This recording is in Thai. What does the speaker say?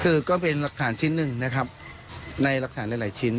คือก็เป็นหลักฐานชิ้นหนึ่งนะครับในหลักฐานหลายชิ้น